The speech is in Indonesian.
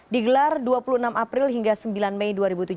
digelar dua puluh enam april hingga sembilan mei dua ribu tujuh belas